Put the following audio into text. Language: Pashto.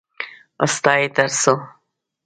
_ستا يې تر څو؟